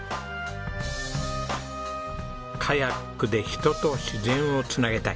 カヤックで人と自然を繋げたい。